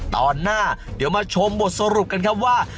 ตอนหน้าเดี๋ยวมาชมบทสรุปกันครับว่า